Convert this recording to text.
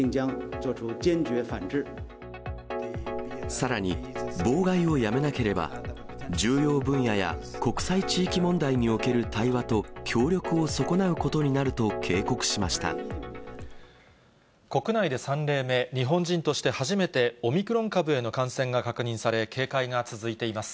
さらに、妨害をやめなければ、重要分野や国際地域問題における対話と協力を損なうことになると国内で３例目、日本人として初めてオミクロン株への感染が確認され、警戒が続いています。